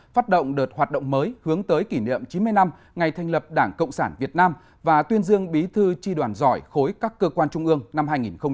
phát động đợt hoạt động mới hướng tới kỷ niệm chín mươi năm ngày thành lập đảng cộng sản việt nam và tuyên dương bí thư tri đoàn giỏi khối các cơ quan trung ương năm hai nghìn hai mươi